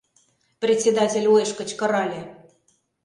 — председатель уэш кычкырале.